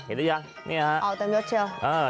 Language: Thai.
อ๋อเต็มยกเชื่อ